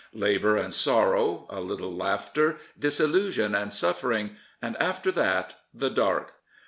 Labour and sorrow, a little laughter, disillusion and suffering — and after that, the dark.